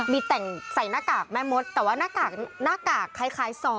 มีแต่งใส่หน้ากากแม่มดแต่ว่าหน้ากากคล้าย๒